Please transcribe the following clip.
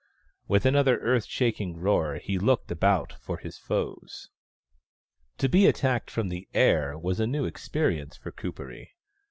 With another earth shaking roar he looked about for his foes. To be attacked from the air was a new experience for Kuperee.